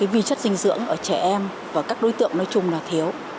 vì chất dinh dưỡng ở trẻ em và các đối tượng nói chung là thiếu